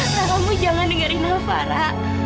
ra kamu jangan dengerin apa ra